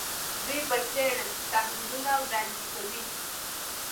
دوی برسېرن تحلیلونه وړاندې کوي